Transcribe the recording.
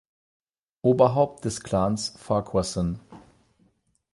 Oberhaupt des Clans Farquharson.